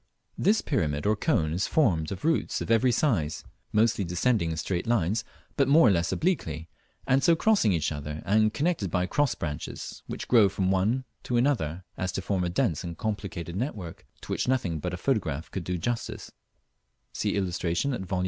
This pyramid or cone is formed of roots of every size, mostly descending in straight lines, but more or less obliquely and so crossing each other, and connected by cross branches, which grow from one to another; as to form a dense and complicated network, to which nothing but a photograph could do justice (see illustration at Vol.